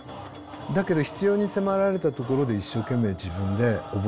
だけど必要に迫られたところで一生懸命自分で覚えてきた。